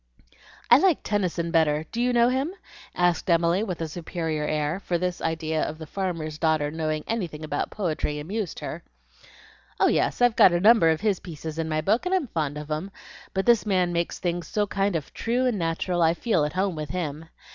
"I like Tennyson better. Do you know him?" asked Emily, with a superior air, for the idea of this farmer's daughter knowing anything about poetry amused her. "Oh yes, I've got a number of his pieces in my book, and I'm fond of 'em. But this man makes things so kind of true and natural I feel at home with HIM.